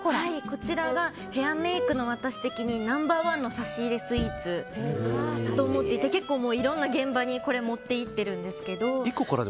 こちらがヘアメイクの私的にナンバー１の差し入れスイーツと思っていて結構いろんな現場にこれを持っていってるんです。